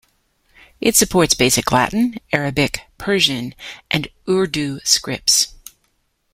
It supports basic Latin, Arabic, Persian, and Urdu scripts.